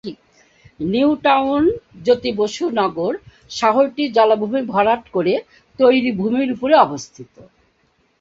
New Town, Jyoti Basu Nagar শহরটি জলাভূমি ভরাট করে তৈরি ভূমির উপরে অবস্থিত।